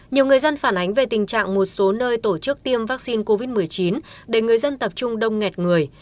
nhiều người dân phản ánh về tình trạng một số nơi tổ chức tiêm vaccine covid một mươi chín để người dân tập trung đông nghẹt người